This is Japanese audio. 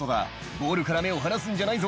「ボールから目を離すんじゃないぞ」